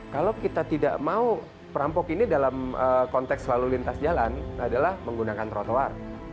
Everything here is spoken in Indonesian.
kalau kita tidak mau perampok ini dalam konteks lalu lintas jalan adalah menggunakan trotoar